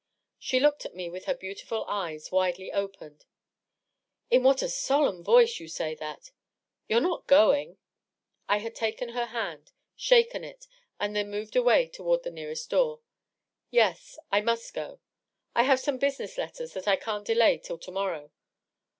She looked at me with her beautiful eyes widely opened. "In what a solemn voice you say that !.. You're not going?" I had taken her hand, shaken it, and then moved away toward the nearest door. " Yes — I must go. I have some business letters that I can't delay till to morrow.